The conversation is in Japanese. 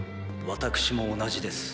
私も同じです。